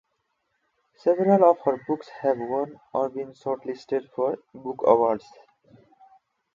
Several of her books have won or been shortlisted for book awards.